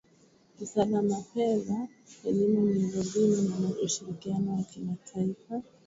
usalama fedha elimu miundo mbinu na ushirikiano wa kimataifa